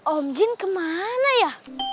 om jin kemana ya